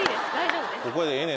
ここでええね